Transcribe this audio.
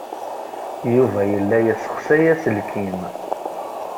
Yuba yella yessexsay aselkim.